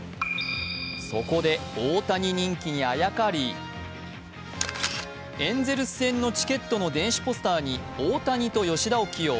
そこで大谷人気にあやかり、エンゼルス戦のチケットの電子ポスターに大谷と吉田を起用。